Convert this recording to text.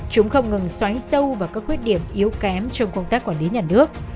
chúng không ngừng xoáy sâu vào các khuyết điểm yếu kém trong công tác quản lý nhà nước